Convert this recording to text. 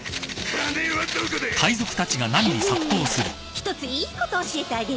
一ついいこと教えてあげる。